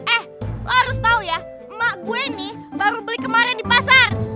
eh lo harus tau ya emak gue nih baru beli kemarin di pasar